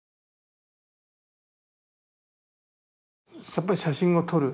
やっぱり写真を撮る。